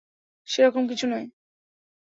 সেরকম কিছু নয়।